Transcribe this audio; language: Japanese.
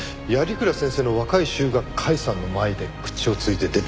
鞍先生の「若い衆」が甲斐さんの前で口をついて出た。